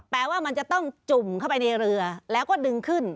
แปลว่ามันจะต้องจุ่มเข้าไปในเรือแล้วก็ดึงขึ้น